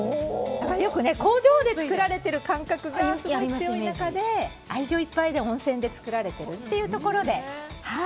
だから工場で作られている感覚が強い中で、愛情いっぱいで温泉で作られてるというところで。